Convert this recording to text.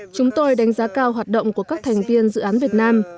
chúng tôi đánh giá cao hoạt động của các thành viên dự án việt nam